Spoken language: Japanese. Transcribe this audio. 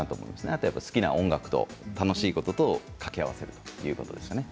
あとは好きな音楽と楽しいことと掛け合わせるということですね。